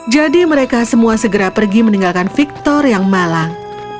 jadi mereka semua segera pergi meninggalkan victor yang malang